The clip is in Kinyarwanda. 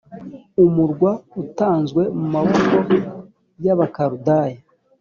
umurwa utanzwe mu maboko y abakaludaya